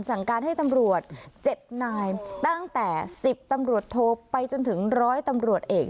สั่งการให้ตำรวจ๗นายตั้งแต่๑๐ตำรวจโทไปจนถึงร้อยตำรวจเอก